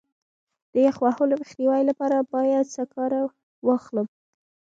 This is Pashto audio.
د یخ وهلو مخنیوي لپاره باید سکاره واخلم.